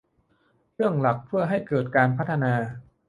เรื่องหลักเพื่อให้เกิดการพัฒนา